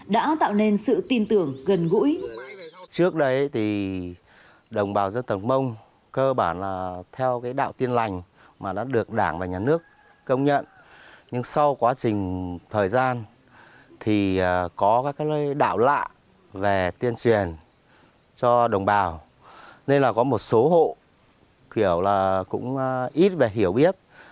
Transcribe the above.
đã tạo nên sự tin tưởng gần gũi